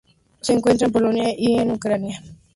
Se encuentra en Polonia y en Ucrania.